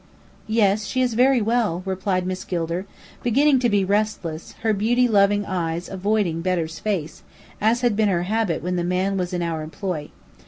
"Yes, she is very well," replied Miss Gilder, beginning to be restless, her beauty loving eyes avoiding Bedr's face, as had been her habit when the man was in our employ.